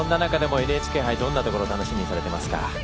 ＮＨＫ杯どんなところを楽しみにされていますか。